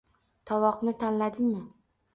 – Tovoqni tanidingmi?